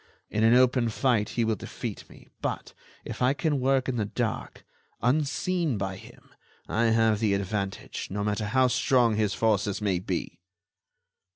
In an open fight he will defeat me; but if I can work in the dark, unseen by him, I have the advantage, no matter how strong his forces may be."